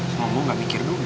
semua gue gak mikir dulu